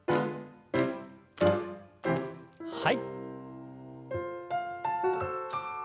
はい。